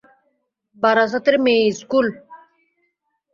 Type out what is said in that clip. বারাসতের মেয়ে ইস্কুল?